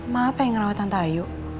ma apa yang merawat tante ayu